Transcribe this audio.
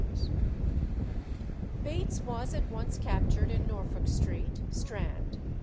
Bates was at once captured in Norfolk Street, Strand.